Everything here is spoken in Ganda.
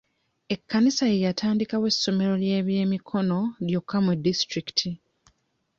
Ekkanisa ye yatandikawo essomero ery'ebyemikono lyokka mu disitulikiti.